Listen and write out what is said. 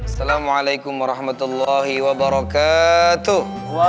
assalamualaikum warahmatullahi wabarakatuh